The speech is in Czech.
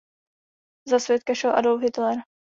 Za svědka šel Adolf Hitler.